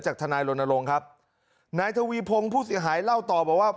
จากทนายโรนโลงครับนายทวีพงศ์ผู้เสียหายเล่าตอบว่า